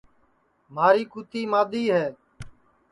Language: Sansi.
مھاری کُوتی مادؔی ہے